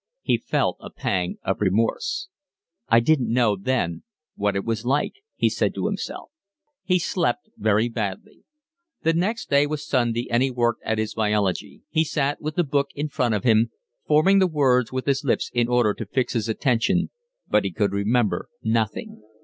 He felt a pang of remorse. "I didn't know then what it was like," he said to himself. He slept very badly. The next day was Sunday, and he worked at his biology. He sat with the book in front of him, forming the words with his lips in order to fix his attention, but he could remember nothing.